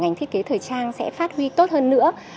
ngành thiết kế thời trang sẽ phát huy tốt hơn nữa